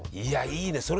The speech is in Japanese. いやいいね。